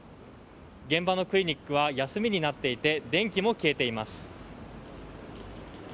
現場のクリニックは休みになっていて電気も消えています。